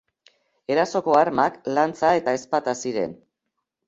Erasoko armak, lantza eta ezpata ziren.